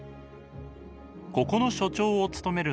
ここの所長を務めるのが